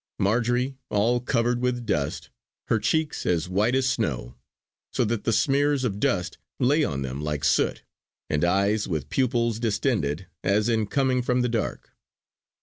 Marjory, all covered with dust, her cheeks as white as snow, so that the smears of dust lay on them like soot; and eyes with pupils distended as in coming from the dark.